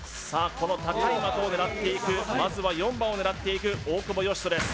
この高い的を狙っていくまずは４番を狙っていく大久保嘉人です